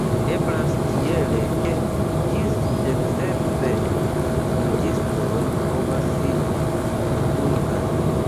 Eblas tiele ke ĝis deksep juĝistoj povas sidi por unu kazo.